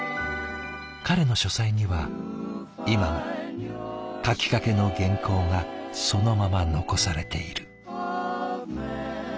彼の書斎には今も書きかけの原稿がそのまま残されている。